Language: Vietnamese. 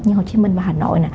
như hồ chí minh và hà nội